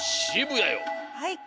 はい。